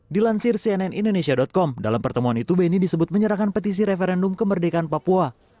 dilansir cnn indonesia com dalam pertemuan itu beni disebut menyerahkan petisi referendum kemerdekaan papua